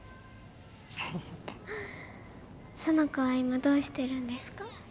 その子は今どうしてるんですか？